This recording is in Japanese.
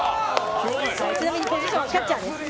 ちなみにポジションはキャッチャーです。